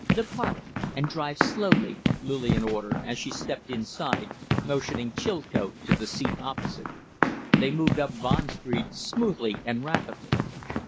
"The Park and drive slowly," Lillian ordered, as she stepped inside, motioning Chilcote to the seat opposite. They moved up Bond Street smoothly and rapidly.